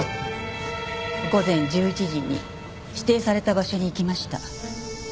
午前１１時に指定された場所に行きました。